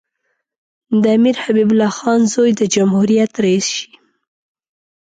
د امیر حبیب الله خان زوی د جمهوریت رییس شي.